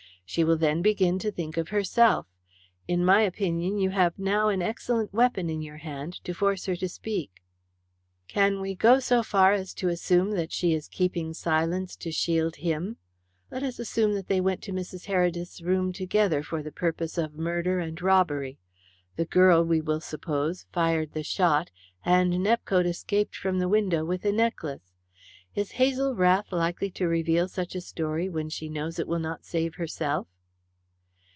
She will then begin to think of herself. In my opinion, you have now an excellent weapon in your hand to force her to speak." "Can we go so far as to assume that she is keeping silence to shield him? Let us assume that they went to Mrs. Heredith's room together for the purpose of murder and robbery. The girl, we will suppose, fired the shot and Nepcote escaped from the window with the necklace. Is Hazel Rath likely to reveal such a story when she knows it will not save herself?"